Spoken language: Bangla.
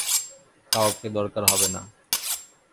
কাউকে দরকার হবে না।